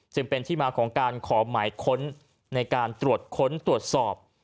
จึงเป็นที่มาของการขอหมายค้นในการตรวจค้นตรวจสอบ